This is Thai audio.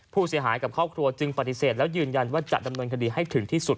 ผู้เสียหายกับครอบครัวจึงปฏิเสธแล้วยืนยันว่าจะดำเนินคดีให้ถึงที่สุด